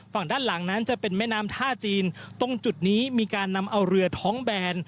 ฝั่งด้านหลังนั้นจะเป็นแม่น้ำท่าจีนตรงจุดนี้มีการนำเอาเรือท้องแบน